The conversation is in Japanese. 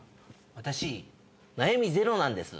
私悩みゼロなんです。